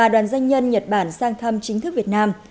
đoàn doanh nhân nhật bản sang thăm chính thức việt nam